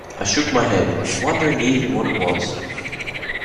I shook my head, wondering even what it was.